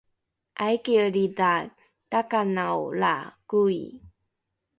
aikielidha takanao la koi?